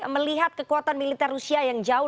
melihat kekuatan militer rusia yang jauh